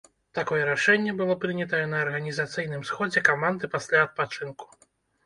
Такое рашэнне было прынятае на арганізацыйным сходзе каманды пасля адпачынку.